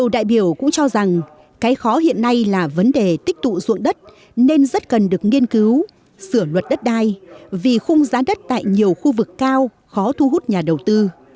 nhiều đại biểu cũng cho rằng cái khó hiện nay là vấn đề tích tụ ruộng đất nên rất cần được nghiên cứu sửa luật đất đai vì khung giá đất tại nhiều khu vực cao khó thu hút nhà đầu tư